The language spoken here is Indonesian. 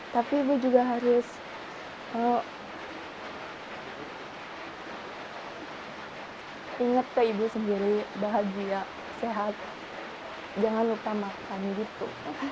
tapi ibu juga harus ingat ke ibu sendiri bahagia sehat jangan lupa makan gitu